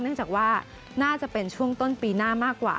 เนื่องจากว่าน่าจะเป็นช่วงต้นปีหน้ามากกว่า